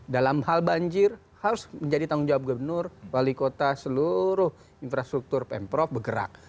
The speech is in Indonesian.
dalam hal banjir harus menjadi tanggung jawab gubernur wali kota seluruh infrastruktur pemprov bergerak